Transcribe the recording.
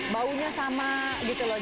baunya sama gitu loh